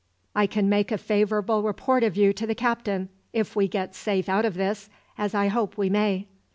"I can make a favourable report of you to the captain, if we get safe out of this, as I hope we may."